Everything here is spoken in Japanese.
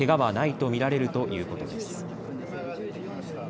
けがはないと見られるということです。